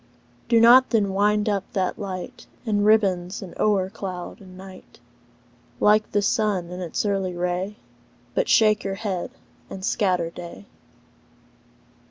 Do not, then, wind up that light In ribbons, and o'er cloud in night, Like the sun in's early ray; But shake your head and scatter day.